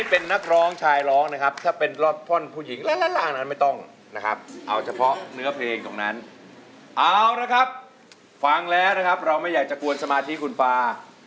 เพชรไหนถึงไม่เวทนาไม่คอยหาน้องลงเสียงหนา